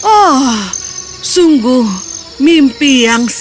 ah sungguh mimpi yang terjadi